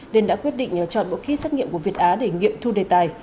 nên đã quyết định chọn bộ kit xét nghiệm của việt á để nghiệm thu đề tài